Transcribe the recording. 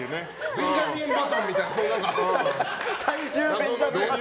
「ベンジャミンバトン」みたいな。